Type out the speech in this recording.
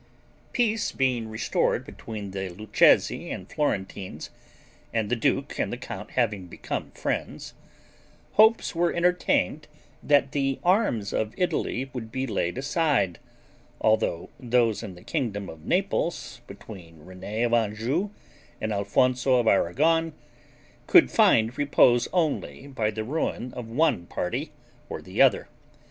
Peace being restored between the Lucchese and Florentines, and the duke and the count having become friends, hopes were entertained that the arms of Italy would be laid aside, although those in the kingdom of Naples, between René of Anjou and Alfonso of Aragon, could find repose only by the ruin of one party or the other.